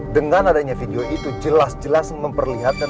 dengan adanya video itu jelas jelas memperlihatkan